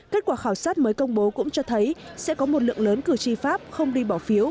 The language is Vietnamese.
kết quả khảo sát mới công bố cũng cho thấy sẽ có một lượng lớn cử tri pháp không đi bỏ phiếu